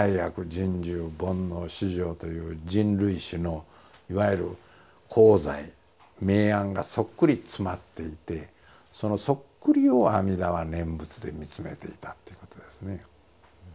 深重煩悩熾盛という人類史のいわゆる功罪明暗がそっくり詰まっていてそのそっくりを阿弥陀は念仏で見つめていたということですね。